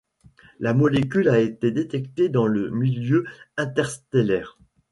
La molécule a été détectée dans le milieu interstellaire.